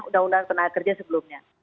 undang undang tenaga kerja sebelumnya